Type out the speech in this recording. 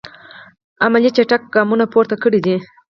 عملي چټک ګامونه پورته کړی دي.